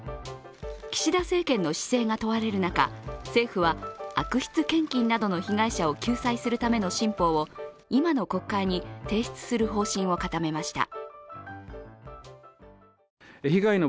岸田政権の姿勢が問われる中、政府は悪質献金などの被害者を救済するための新法を今の国会に提出する方針を固めました。